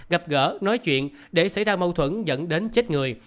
gặp gỡ nói chuyện để xảy ra mâu thuẫn dẫn đến chết người